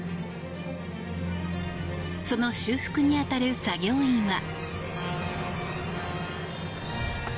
その修復に当たる作業員は。